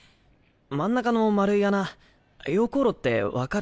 真ん中の丸い穴溶鉱炉って分かる？